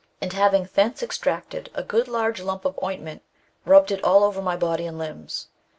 149 and having thence extracted a good large lump of oint ment, rubbed it all over my body and limbs.